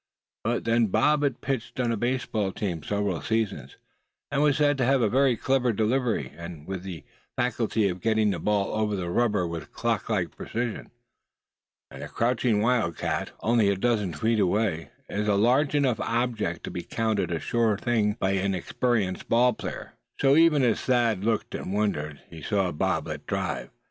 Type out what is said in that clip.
But then Bob had pitched on a baseball team several seasons, and was said to have a very clever delivery, with the faculty of getting the ball over the rubber with clock like precision. And a crouching wildcat, only a dozen feet away, is a large enough object to be counted a sure thing by an experienced ball player. So even as Thad looked and wondered, he saw Bob let drive.